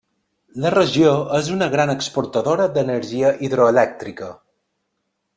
La regió és una gran exportadora d'energia hidroelèctrica.